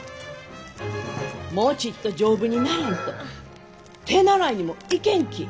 もうちっと丈夫にならんと手習いにも行けんき！